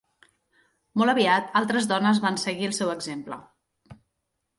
Molt aviat altres dones van seguir el seu exemple.